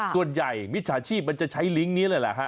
ส่วนใหญ่มิจฉาชีพมันจะใช้ลิงก์นี้เลยแหละ